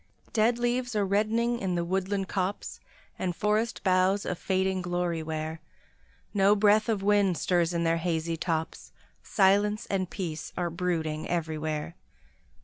Dead leaves are reddening in the woodland copse, And forest boughs a fading glory wear; No breath of wind stirs in their hazy tops, Silence and peace are brooding everywhere.